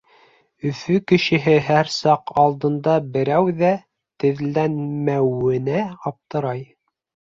Өфө кешеһе һәр саҡ алдында берәү ҙә теҙләнмәүенә аптырай.